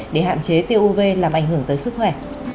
để hạn chế tiêu uv làm ảnh hưởng tới sức khỏe